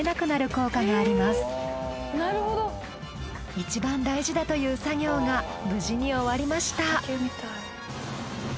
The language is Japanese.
いちばん大事だという作業が無事に終わりました。